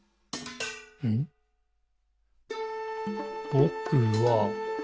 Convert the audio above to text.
「ぼくは、」